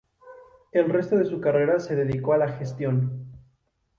El resto de su carrera se dedicó a la gestión.